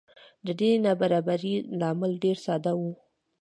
د دې نابرابرۍ لامل ډېر ساده و